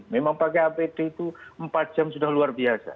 memang pakai apd itu empat jam sudah luar biasa